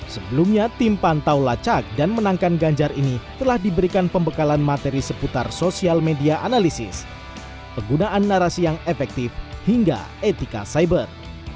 sebelumnya tim pantau lacak dan menangkan ganjar ini telah diberikan pembekalan materi seputar sosial media analisis penggunaan narasi yang efektif hingga etika cyber